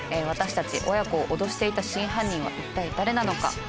私たち親子を脅していた真犯人は一体誰なのか？